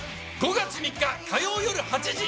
５月３日火曜夜８時！